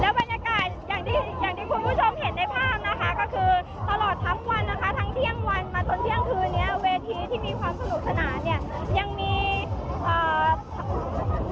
บรรยากาศอย่างที่อย่างที่คุณผู้ชมเห็นในภาพนะคะก็คือตลอดทั้งวันนะคะทั้งเที่ยงวันมาจนเที่ยงคืนเนี้ยเวทีที่มีความสนุกสนานเนี่ยยังมีอ่า